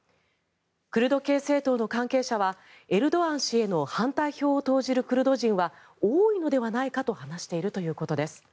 クルド系政党の関係者はエルドアン氏への反対票を投じるクルド人は多いのではないかと話しているということです。